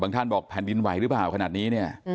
บางท่านบอกแผ่นดินไหวหรือเปล่าขนาดนี้